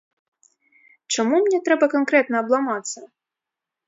Чаму мне трэба канкрэтна абламацца?